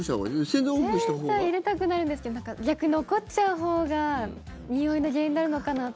洗剤入れたくなるんですけどなんか逆に残っちゃうほうがにおいの原因になるのかなって。